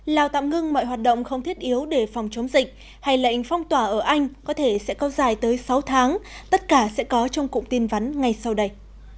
lào tạm ngưng mọi hoạt động không thiết yếu để phòng chống dịch hay lệnh phong tỏa ở anh có thể sẽ có dài tới sáu tháng tất cả sẽ có trong cụm tin vắn ngay sau đây